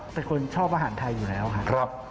เป็นคนชอบอาหารไทยอยู่แล้วครับ